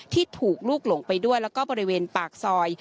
ที่ถูกลูกหลงไปด้วยแล้วก็บริเวณปากซอย